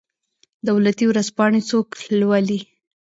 دولتي ورځپاڼې څوک لوالي؟